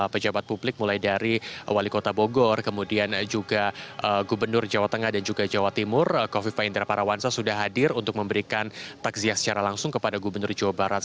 pejabat publik mulai dari wali kota bogor kemudian juga gubernur jawa tengah dan juga jawa timur kofifa indra parawansa sudah hadir untuk memberikan takziah secara langsung kepada gubernur jawa barat